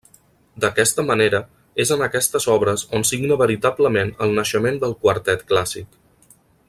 D'aquesta manera, és en aquestes obres on signa veritablement el naixement del quartet clàssic.